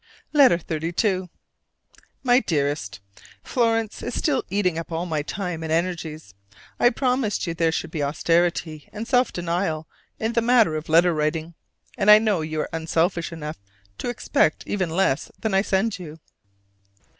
LETTER XXXII. My Dearest: Florence is still eating up all my time and energies: I promised you there should be austerity and self denial in the matter of letter writing: and I know you are unselfish enough to expect even less than I send you.